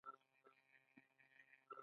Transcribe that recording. غوماشې د حیوان له بدن هم وینه خوري.